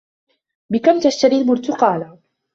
بِكَمْ تَشْتَرِيَ الْبُرْتُقالَةَ ؟